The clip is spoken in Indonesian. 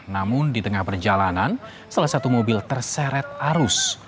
namun di tengah perjalanan salah satu mobil terseret arus